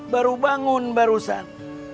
baru bangun barusan